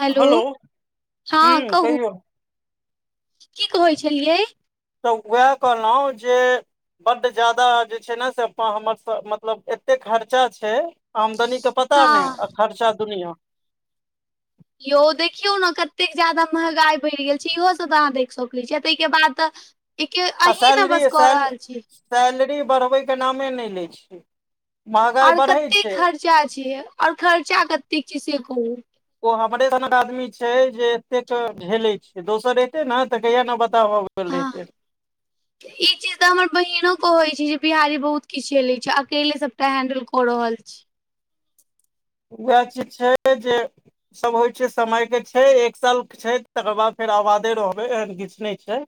Hello हँ हूँ कहू, कहियौ की कहै छलियै। तऽ वैंह कहलहुँ जे बड्ड ज्यादा जे छै न, से प हमर से मतलब एते खर्चा छै आमदनी के पता नहि हँ आ खर्चा दुनिया। यौ देखियौ न कतेक ज्यादा महंगाइ बढ़ि गेल छै, इहोसब तऽ अहाँ देख सकै छियै, ताहिके बाद त आ सैलरी-सैल-सैलरी बढ़बै के नामे नहि लै छियै। मंहगाई और बढ़ै कते छै। खर्चा यैंए आऔर खर्चा कतेक छै से कहू। ओ हमरे सनक आदमी छै जे एतेक झेलै छै, दोसर रहतै न तऽ कहिया ने बताहबा बनल रहतै। त हमर बहिनो कहे छै जे, बिहारी बहुत किछ झेलै छै, अकेले सबटा हैंडल क रहल छी वैह चीज छै जे सब होइ छै समयके छै, एक साल छै तकर बाद फेर आवादे रहबै, एहन किछ नहि छै।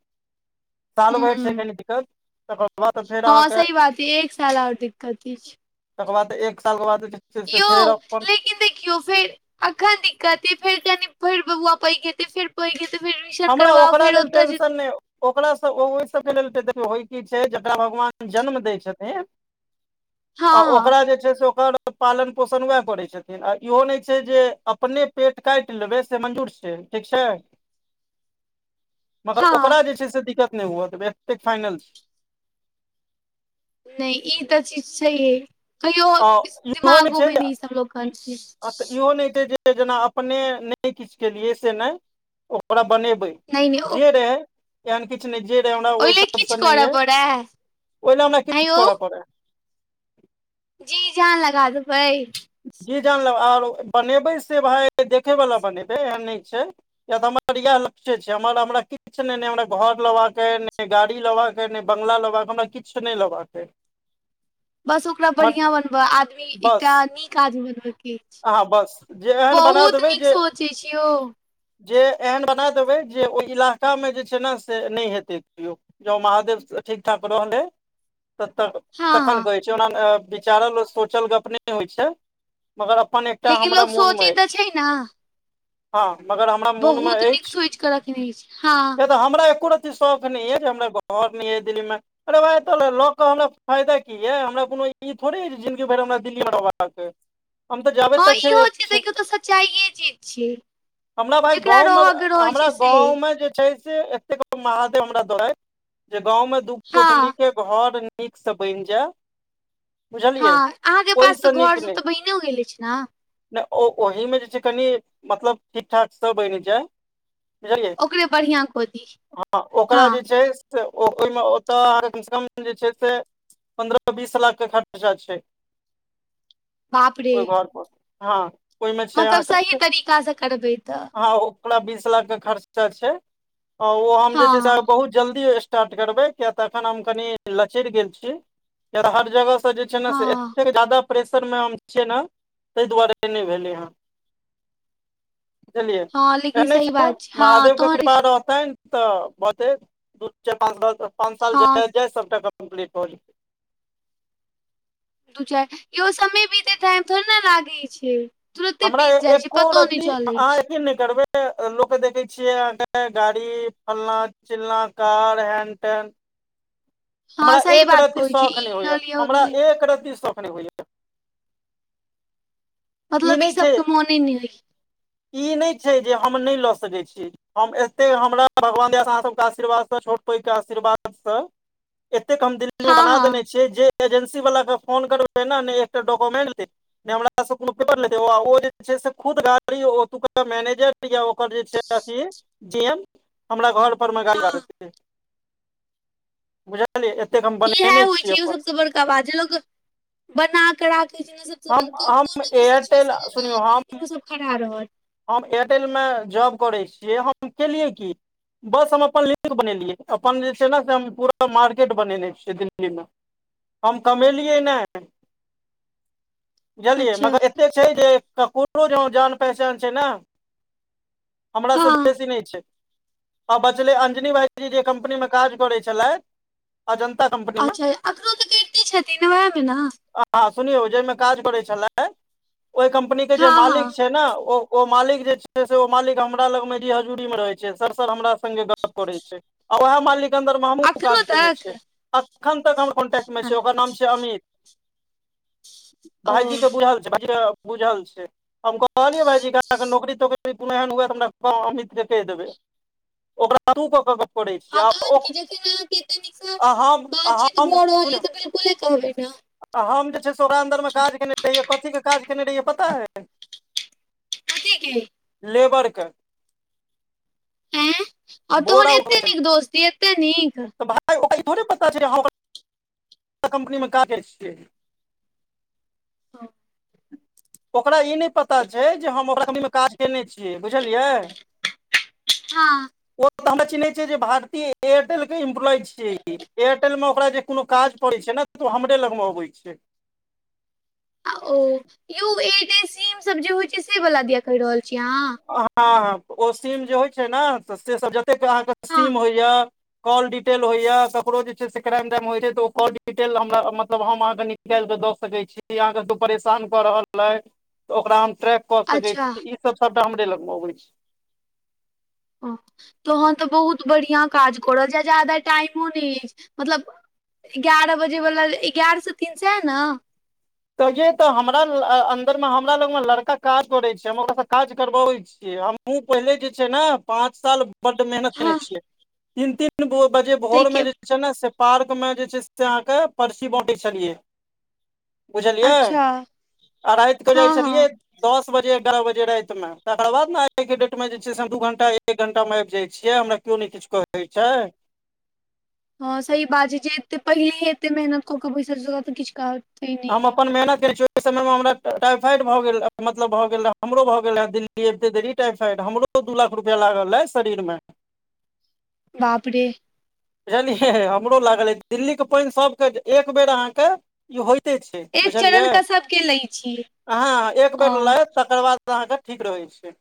[inaudible] साल भैर छै हूँ कनी दिक्कत, तकर बाद फेर आहां हँ के सही बात य एक साल और दिक्कत अछि तकर बाद एक सालके बाद जे छै, से फेर यौ अपन लेकिन देखियौ फेर अखन दिक्कत अय, फेर कनि फेर बौआ पैेघ हेतै फेर को एक फर एडमिन हमरा करवा ओकरा फेर लेल ओतऽ जे टेंशन नहि ओकरासँ ओहि सबके लेल तऽ देखियौ होइ की छै, जकरा भगवान जन्म दै छथिन हँ आ हँ ओकरा जे छै से ओकर पालन पोषण वैह करै छथिन। आ इहो नहि छै जे, अपने पेट काटि लेबै से मंजूर छै ठीक छै। मगर हँ ओकरा जे छै से दिक्कत नहि हुए देबै एते फाइनल छै। नहि ई तऽ चीज छैहे। छैहो आ इहो दिमागो छै में जे नहि इ सबलोग अनतै। इहो नहि छै जे से जेना अपने नहि किछ केलियै से नहि, ओकरा बनेबै नहि नहि ओ जे रहै एहन किछ नहि जे तैं हमरा ओहि लेल हिसाब किछु स नहि करऽ अय, पड़ै आँय ओहि ल हमरा नहि किछ यौ करऽ पड़ै। जी जान लगा देबै। जी जान लगा आरो बनेबै से भाय देखै वला बनेबै, एहन नहि छै। किया त हमर इएह लक्ष्य छै, हमर हमरा किछु नहि नह हमरा घर लेबाका के ने गाड़ी लेवा कय बंगला लेबाक‌अय हमरा किछु नहि लेबाक अछि बस ओकरा बढ़िआँ बनबय, आदमी बस एकटा नीक आदमी बनबयके। अछि अहाँ बस जे एहन बना बहुत देबै नीक जे सोच अछि यौ जे एहन बना देबै जे, ओहि इलाकामे जे छै ने से नहि हेतै क्यों। जो महादेव! ठीक- ठाक रह रहलै तब तकऽ हँ हँ तखन कहै छै, औऔ ओना विचारल सोचल गप नहि होइ छै, मगर अपन एक लेकिन लोग सोचे तऽ छै ने। हँ, मगर हमरा मोन बहुत मे नीक अछि। सोच कऽ रखने छी हँ हमरा एको रर्ती शौख नहि य, जे हमरा घर नहि य दिल्लीमे। अरे भाइ तऽ लऽ कऽ हमरा फायदा की यए, हमरा कोनो ई थोड़े य जे, जिनगी भरि हमरा दिल्ली मे रहबाक अइ। हम तऽ जाबे हँ, तक इहो छै, देखियौ तऽ सच्चाइए इहे चीज छियै। हमरा भाय, जेकरा गाँवमे रहय के रहै हमरा छै से गाँवमे जे छै। एतेक महादेव हमरा दैथ, जे गाँवं दू कोठली हँ के घर नीकसँ बनि जाय। बुझलियै हँ, अहाँ के पास तऽ ओहिसँ घर नीक सब नहि तऽ बहिनो गेल अछि ने। नहि ओ ओहिमे जे छै। कनि मतलब ठीक ठाक सभ बनि छै। बुझलियै, ओकरे बढ़िआँ कऽ दी हँ, ओकरा हँ जे छै। से ओहिमे ओतऽ कमसँ कम जे छै। से पन्द्रह बीस लाख के खर्चा छै। बाप रे ओहि घर पर, हँ, ओहिमे छै। मतलब सही अहाँके ह तरीकासँ करबै तऽ अहाके पंद्रह बीस लाख के खर्चा छै। आ ओ हम जे छै। से हँ बहुत जल्दी स्टार्ट करबे, किया तऽ अखन हम कनि लचरि गेल छी, किया तऽ हर जगह जे छै। ने से हँ एतेक जादा प्रेशर मे हम छियै ने, ताहि दुआरे नहि भेलै हँ। बुझलियै, हँ लेकिन कने सही छै। बात हँ महादेव के तहन कृपा रहतैन। तऽ भजेते, दू, चार, पच पाँच साल हँ जाइत, सबटा कम्प्लीट भ जेतै। दू चारि, इहो समय बीतै टाइम थोड़े ने लागैत छै। तुरते हमरा बीत जाइ छै एको पतो नहि रती्, चलै अहाँ छै अथी नहि करबै। लोक के देखे छियै, अहाँके गाड़ी फलना -चिलना कार हैंटेन हँ हमरा सही एक बात रती कहै छी शौख न ई होइया, लऽ लिअ ओ लऽ हमरा लिअ एक रती शौख न होया। मतलब ई नहि छै सब के मोने नही होइये। ई नहि छै जे, हम नहि लऽ सकैत छी। हम एतेक, हमरा भगवान दया, अहाँसभके आशीर्वादसँ, छोट- पैघके आशीर्वादसँ। एतेक हम दिन हँ बना देने हँ छिय, जे एजेंसी वाला के फोन करबै ने, ने एकटा डॉक्युमेंट लेत, नई हमरा सँ कोनो पेपर लेतै, ओ जे छै से खुद गाड़ी ओतुका मैनेजर या ओकर जे छै। अथी। जीएम हमरा घर पर मे, गाड़ी हँ देतै बुझ बुझलियै, एतेक हम बनेने छीयै अपन। तब आज लोग, बना क के राखै छै से न हम हम एयरटेल, सुनियौ हम लेकिन ओ सब खड़ा रहत हम एयरटेलमे जॉब करैत छियै, हम केलियै की? बस हम अपन लिंक बनेलियै, अपन जे छै। ने से हम पूरा मार्केट बनेने छियै दिल्लीमे। हम कमेलियै नहि। जनलियै, अच्छा मगर एतेक छै। जे ककरो ज जान पहचान छै। ने। हमरा से हँ बेसी नहि छै। आ बचलै अंजनी भाईजी जे कम्पनी मे काज करै छलथि। अजन्ता कम्पनी मे अच्छा! अखरो तऽ करिते छथिन, ने ओएहमे ने। हँ, सुनियौ जाहिमे काज करै छलैथ, ओहि कम्पनी के जे हँ मालिक हँ छै। ने ओ ओ मालिक जे छै से ओ मालिक हमरा लग मे जी हजूरी में रहै छै। सर, सर हमरा संगे गप करै छै। आ उहेए मालिक अन्दर मे हमहूँ अखनो काज केने तक छियैह। एखन तक हमर कॉन्टैक्ट मे छै। ओकर नाम छियै अमित। ओ भाइजी क बुझल छै, भाइजी के बुझल छै। हम कहलियै भायजीे के अहाँक नोकरी तोकरी कोनो एहेन हुए त हमरा कहब अमित के कहि देबै। ओकरा तू कऽ क‌ऽ गप करै छी हँ आ ओ तहन कि छै जहैन अहांके एते नीक से आ हम आ बातचीत हम भऽ सुन रहल ये त बिलकुले कहबै ने। आ हम जे छै से ओकरा अन्दर मे काज केने रहियै कथी के काज केने रहियै पता अइ? कथी के? लेबर क। एंह और तोहर बोरा एत्ते नीक दोस्ती एत्ते नीक। है ओकरा इ थोड़े पता छै हम ओकर कम्पनी मे काज करै छियै। हँ ओकरा इ नै पता छै जे हम ओकरा कंपनी मे काज केने छियै बुझलियै। हँ ओ त हमरा चिन्है छै जे भारतीय एयरटेल के इम्प्लॉय छियै इ एयरटेल मे ओकरा जे कोनो काज पड़ै छै ने त ओ हमरे लग मे अबै छै। ओ यौ ओ एयरटेल सीम सब जे होइ छै से बला दिया कहि रहल छी अहाँ? हँ हॅं ओ सीम जे होइ छै नऽ त से सब जतेक के अहाँ के सीम हँ होइयऽ कॉल डिटेल होइये ककरो जे छै से क्राइम - डाइम होइ छै त ओ कॉल डिटेल हमरा मतलब हम अहाँके नि निकालि केऽ दऽ सकै छी अहाँ कतौ परेशान कऽ रहल अइ त ओकरा हम ट्रैक कऽ सकै अच्छा छी इ सब सबटा हमरे लग मे अबै छै। ओ तहन तऽ बहुत बढ़ियां काज कऽ रहल छी आ जादा टाइमो नै अइछ मतलब ग्यारह बजे बला एगारह से तीन सेएह नऽ। कहियै तऽ हमरा ल -अन्दर मे हमरा लग म लड़का काज करै छै हम ओकरा सँ काज करबऽबै छी। हमहुॅं पहिले जे छै ने पाँच साल बड्ड मेहनत केने हँ छियै तीन तीन बो- बजे भोर ताहिके मे जे छै ने से पार्क में जे छै से अहाँ के पर्ची बॅंटै छलियै। अच्छा बुझलियैह आ राति कऽ जाइ हँ छलियै हँ दस बजे एगारह बजे राइत मे तकर बाद ने आइके डेट मे जे छै से हम दू घंटा एक एक घंटा मे आबि जाइ छियै हमरा केयो ने किछ कहै छै। हँ सही बात छै जे एत्ते पहिले हे एत्ते मेहनत कऽ कऽ बैसल छै ओका तऽ किछ काज हम अपन मेहनत केने छी ओ एइ समय मे हमरा टाइफाइड भऽ गेल रह मतलब भऽ गेल रहे हमरो भऽ गेल रहेए दिल्ली अबिते देरी टाइफाइड हमरो दू लाख रुपया लागल अइ शरीर मे। बाप रे। बुझलियै हमरो लागल अइ दिल्ली क पाइन सब क एक बेर अहाँके इ होइते छै एक बुझलियै चरण के सबके लै छियै अहाँ एक ओ बेर लैत तकर बाद अहांके ठीक रहै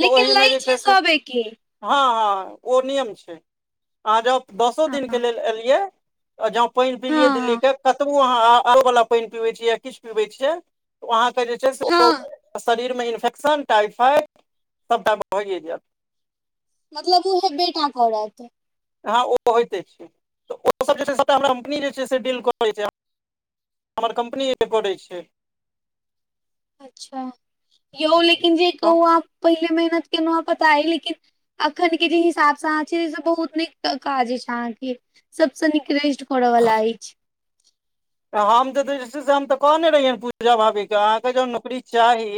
लेकिन लै छै। सब एके हाँ हाँ ओ नियम छै। अहाँ जॅंओ दसो हँ दिन के लेल एलियै आ जॅं पाइन पीलियै दिल्ली हँ के कतबो ओ अहाँ आ- आरो बला पाइन पीबै छियै य किछ पीबै छियै ओ अहाँके जे छै से ओ हँ शरीर मे इन्फेक्शन, टाइफाइड सबटा भ‌इये जेएत। मतलब उ हेब्बे टा करत। हाँ ओ त होइते छै त ओ सब जे छै से सबटा हमरा कम्पनी जे छै से डील कऽ लै छै। हमर कम्पनी [unintelligible] छै। अच्छा यौ लेकिन जे कहू अहाँ पहिले मेहनत केनौहेँ पता अइ लेकिन अखनके जे हिसाब सँ अहाँ छी से बहुत नीक काज अछि अहाँके सबसँ नीक। [unintelligible] करऽवला अछि। हम तऽ जे छै से हम तऽ कहने रहियैन पूजा भाभी के अहाँके जँ नौकरी चाही।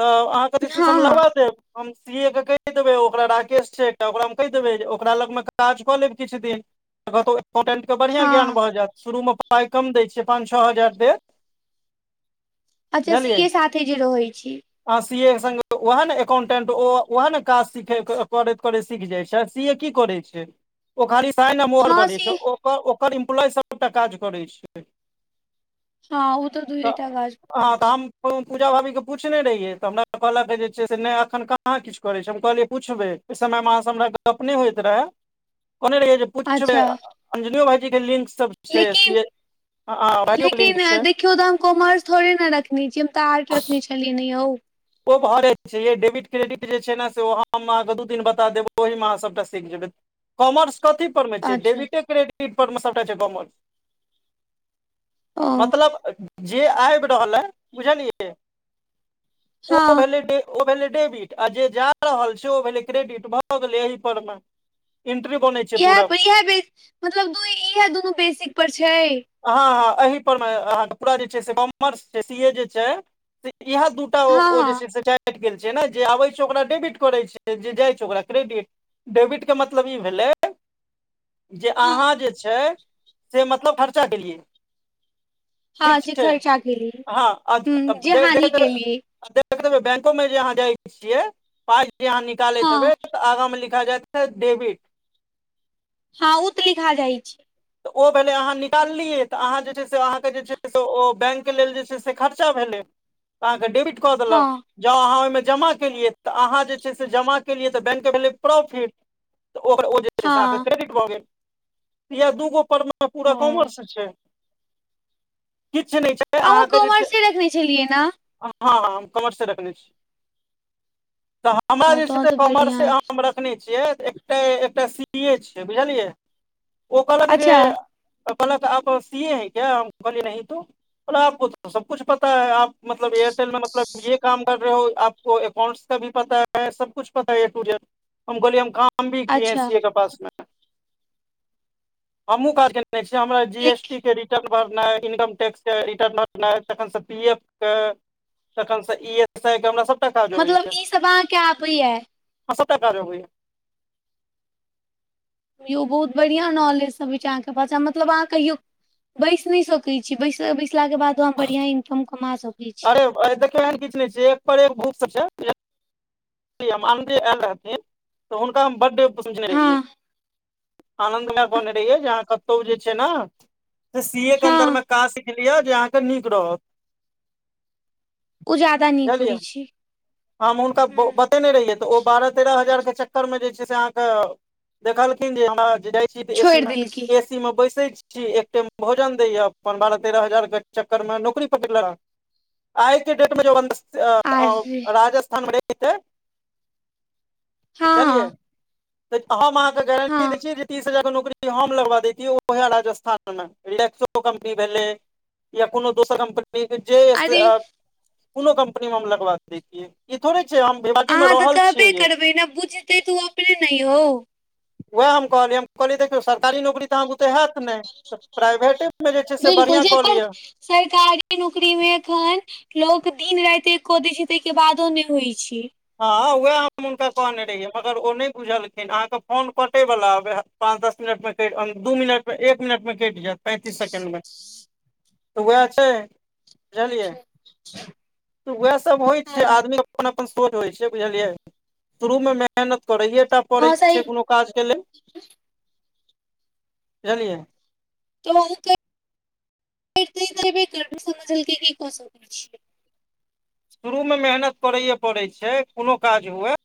तऽ अहाँके जे छै से हँ हम हँ लगबा देब। हम सीए के कहि देबै ओकरा राकेश छै त ओकरा हम कहि देबै जे ओकरा लगमे काज कऽ लेब किछ दिन। कतौ एम्पोटैन्ट। के बढ़ियाँ ज्ञान हँ भऽ जायत शुरूमे पाइ कम दै छै पाँच छः हजार देत। अच्छा सीे ए साथे जे रहै छी। आ सी ए संगे ओहेने अकाउंटेंट ओ ओहन काज सीखे करैत करैत सीख जाइ छै। सी ए की करै छै? ओ खाली साइन आ मोहर हँ बढै छै सी ओ ओकर ओकर इम्प्लॉई सबटा काज करै छै। हँ ओतऽ तऽ दुएटा गाछ! हँ तऽ हम पूजा भाभीके पूछने रहियै तऽ हमरा कहलक जे छै से नहि अखन कहाँ किछ! करै छै हम कहलियै पुछबै ओहि समयमे अहाँ सँ हमरा गप नहि होइत रहै कहने रहियै जे पुछबै अच्छा अंजनियो भाईजी के लिंक सब छै एस। लेकिन लेकिन देखियौ तऽ हम कॉमर्स थोड़े न रखने छी हम तऽ आर्ट रखने छी। त लेने आउ? ओ भरैत छियै डेबिट क्रेडिट जे छै न से हम अहाँके दू दिन बता देब ओहिमे अहाँ सभटा सीख जेबै। कॉमर्स कथी परमे छै अच्छा डेबिटे क्रेडिट परमे सबटा छै कॉमर्स। ओ मतलब जे आबि रहलयेँ बुझलियै! ओ हँ भेलै डे ओ भेलै डेबिट आ जे जा रहल छै ओ भेलै क्रेडिट भऽ गेलै एहि परमे। इन्ट्री बनय इएह पर इएह बेस मतलब दूइ इएह दुनू बेसिक पर छै! हँ हँ एहि परमे अहाँके पूरा जे से कामर्स से सी ए जे छै से इएहे दू! टा ओ हँ ओ जे हँ छै से चाटि गेल छै न जे आबै छै ओकरा डेबिट करै छै जे जाइ छै ओकरा क्रेडिट। डेबिट के मतलब ई भेलै! जे हँ अहाँ जे छै से मतलब खर्चा केलियै। हँ ठीक जे छै खर्चा केली हँ ह अच्छा जे [unintelligible] हानि केली देखैत हेबय बैंकोमे जे अहाँ जाय छियै पाइ जे अहाँ निकालैत हँ हेबै! त आगाँमे लिखा जायत हैत डेबिट। हँ उतऽ लिखा जाइ छै। तऽ ओ भेलै अहाँ निकाललियै तऽ अहाँ जे छै से अहाँके जे छै से ओ बैंक के लेल जे छै से खर्चा भेलै तऽ अहाँके डेबिट कऽ हँ देलक। जँ अहाँ ओहिमे जमा केलियै तऽ अहाँ जे छै से जमा केलियै तऽ बैंकके भेलै प्रॉफिट। तऽ ओकर ओ जे छै से अहाँके हँ क्रेडिट भऽ गेल। इहै दूगो पर मे पूरा ह कॉमर्स छै किछु नहि छै। अहूँ अहाँ केँ जे छै कॉमर्से रखने छलियै ने हँ हँ हम कॉमर्से रखने छी तऽ हमरा हँ जे छै तहन से तऽ कॉमर्से बढ़िआँ अहाँ अछि। हमरा देखने छियै त एकटा एकटा सी पी ए छियै बुझलियै ओ कहलक जे अच्छा कहलक आप सी ए है क्या हम कहलियै नहि तो कहलऽ आप को तो सब कुछ पता है आप मतलब एयरटेलमे मतलब ये काम कर रहे हो आपको अकाउंट्स का भी पता है। है सब कुछ पता है ए टू जेड हम कहलिय हम काम भी किए अच्छा सी ए के पासमे! हमहुँ काज केने छिअइ, हमरा जी एस लेकिन टी के रि रिटर्न भरनाइ, इनकम टैक्स के रिटर्न भरनाइ, तखन सं पी एफके [inaudible] थखन सं ई एफ एस आइ के हमरा सबटा काज मतलब अबैया। ई सब अहाँके आबैया [inaudible] हं सबटा काज‌ अबैया। यौ बहुत बढ़िया नॉलेज सब अछि अहाँके भाषा मतलब अहाँ कहियो बैसि नै सकै छी। बैसल बैसला के बादो अहाँ बढ़ियां इनकम कमा सकै छी। देखियौ एहन किछु नै छै, एक पर एक भूप सब छै। बुझल [unintelligible] आनन्दी आएल रहथिन तऽ हुनका हम बडे समझेने रहियै। हँ [inaudible] आनंद मा कहने रहियै जे अहाँ कतौ जे छै न, [inaudible] से सीए के अन्दर मे हँ काज सीख लिअ जे अहाँके नीक रहत। उ जादा नीक बुझलियै होइ छै। हम हुनका बहु हम्म, बतेने रहियै तऽ ओ बारह तेरह हजार के चक्कर में जे छै से अहाँके देखलखिन जे हमरा जाइ छी त छोड़ि एसील देलकै [inaudible] एसी मे बैसै छी। छी, एक टाइम भोजन दैया अपन बारह तेरह हजार के चक्कर में नौकरी पकरि लेला। आइके डेट में जे आर [unintelligible] राजस्थान में रहितै हँ बुझलियै हँ [inaudible] तऽ हम अहाँके गारंटी हँ दै छियै तीस हजार के नौकरी हम लगबा दैतियै उहै राजस्थान में, रिलैक्सो के कम्पनी भेलै या कोनो दोसर कम्पनी। मे जे अरे स [inaudible] कुनो कम्पनी मे हम लगबा दैतियै, ई थोड़े छै हम बेब अहाँ तऽ कहबे करबै न बुझतै तऽ उ अपने ने यौ? वैह हम कहलियै, हम कहलिअइ देखियौ सर सरकारी नौकरी तऽ आहाँ बुते हैत नै त प्राइवेटे मे जे छै से बिलकुल बढ़ियां जे कऽ पर लिअ। सरकारी नौकरी मे एखन लोक दिन राति एक कऽ दै छै तै के बादो नै होइ छै। हँ वैह हम हुनका कहने रहियै, मगर ओ नै बुझलखिन। अहाँके फोन कटै बला अबै हा। पाँच दस मिनट में कटि, दू मिनट में एक मिनट में कटि जायत पैंतीस सेकेण्ड में त वैह छै। बुझलियै [inaudible] अच्छा तऽ उएह सब होइ छै, हँ आदमी अपन अपन सोच होइ छै बुझलियै [inaudible] शुरू मे मेहनत करैये टा पड़ै हँ सही छै कुनू काज के लेल [inaudible] बुझलियै। तऽ ओ के [inaudible] करितै त एबे कर ओ समझलकै की कऽ सकैत छियै। शुरूमे मेहनत करैए पड़ै छै, कोनो काज हुए